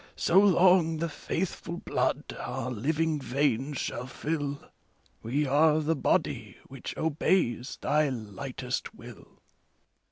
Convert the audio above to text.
So long the faithful blood our living veins shall fill. We are the body which obeys thy lightest will.